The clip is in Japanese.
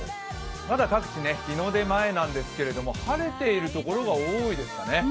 まだ各地日の出前なんですけれども、晴れている所が多いですかね。